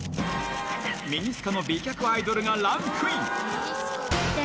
ミニスカの美脚アイドルがランクイン。